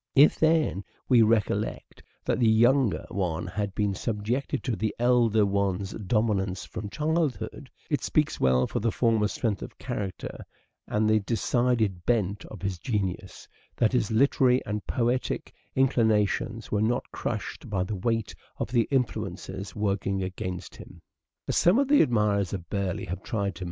If, then, we recollect that the younger one had been subjected to the elder one's dominance from childhood, it speaks well for the former's strength of character and the decided bent of his genius, that his literary and poetic inclinations were not crushed by the weight of the influences working against them Barlwgh and As some of the admirers of Burleigh have tried to htwarymen.